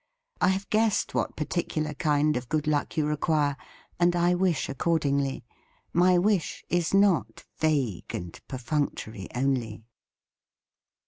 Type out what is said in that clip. I have guessed what particular kind of good luck you require, and I wish accordingly. My wish is not vague and perfunctory only."